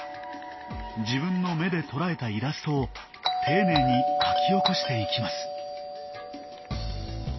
自分の目で捉えたイラストを丁寧に描き起こしていきます。